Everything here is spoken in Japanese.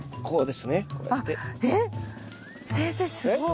すごい。